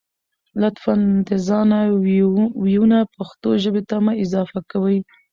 لطفاً د ځانه وييونه پښتو ژبې ته مه اضافه کوئ